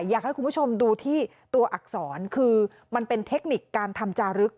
อยากให้คุณผู้ชมดูที่ตัวอักษรคือมันเป็นเทคนิคการทำจารึก